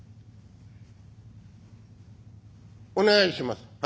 「お願いします」。